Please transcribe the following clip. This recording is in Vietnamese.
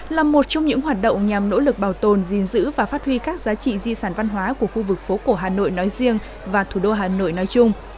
là một trong những hoạt động nhằm nỗ lực bảo tồn gìn giữ và phát huy các giá trị di sản văn hóa của khu vực phố cổ hà nội nói riêng và thủ đô hà nội nói chung